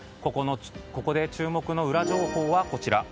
ここで注目のウラ情報はこちら。